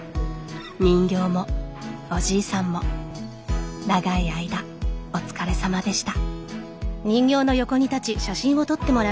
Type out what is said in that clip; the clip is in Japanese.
人形もおじいさんも長い間お疲れさまでした。